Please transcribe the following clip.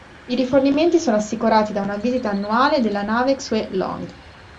I rifornimenti sono assicurati da una visita annuale della nave Xue Long.